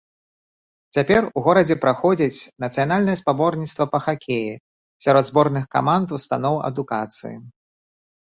Цяпер у горадзе праходзіць нацыянальнае спаборніцтва па хакеі сярод зборных каманд устаноў адукацыі.